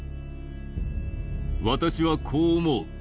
私はこう思う。